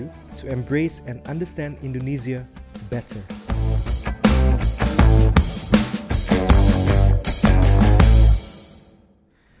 untuk mengambil dan memahami indonesia dengan lebih baik